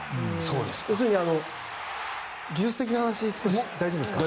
要するに技術的な話少し大丈夫ですか。